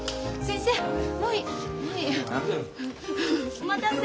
お待たせ。